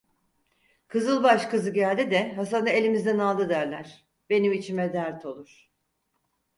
Kızılbaş kızı geldi de Hasan'ı elimizden aldı derler, benim içime dert olur…